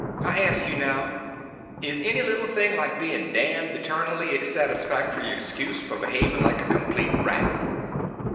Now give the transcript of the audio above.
I ask you now, is any little thing like being damned eternally a satisfactory excuse for behaving like a complete rat?"